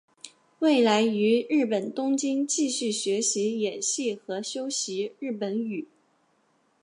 未来于日本东京继续学习演戏和修习日本语。